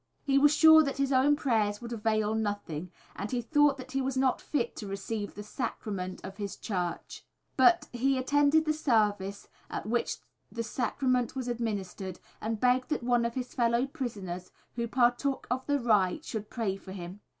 He was sure that his own prayers would avail nothing, and he thought that he was not fit to receive the sacrament of his church; but he attended the service at which the sacrament was administered, and begged that one of his fellow prisoners, who partook of the rite, should pray for him.